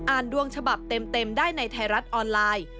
ดวงฉบับเต็มได้ในไทยรัฐออนไลน์